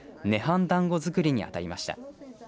はんだんご作りに当たりました。